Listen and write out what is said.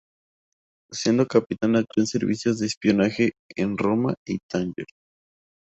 Siendo capitán actuó en servicios de espionaje en Roma y Tánger.